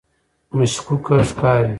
مشکوکه ښکاري.